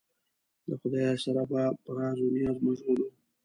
له خدایه سره به په راز و نیاز مشغول و.